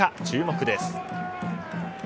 注目です。